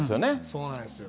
そうなんですよ。